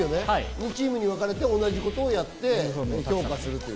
２チームにわかれて同じ事をやって評価する。